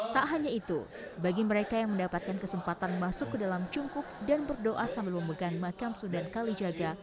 tak hanya itu bagi mereka yang mendapatkan kesempatan masuk ke dalam cungkup dan berdoa sambil memegang makam sudan kalijaga